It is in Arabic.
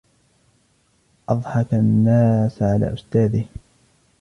أَضْحَك الناس على أستاذه.